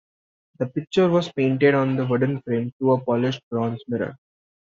The picture was painted on the wooden frame to a polished bronze mirror.